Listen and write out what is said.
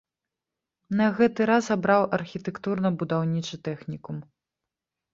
На гэты раз абраў архітэктурна-будаўнічы тэхнікум.